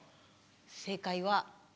正解は。